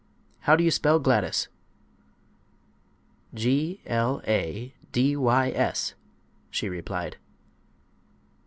"How do you spell Gladys?" "G l a d y s," she replied.